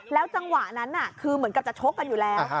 จังหวะนั้นคือเหมือนกับจะชกกันอยู่แล้ว